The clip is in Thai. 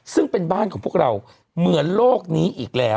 ซึ่งเป็นบ้านของพวกเราเหมือนโลกนี้อีกแล้ว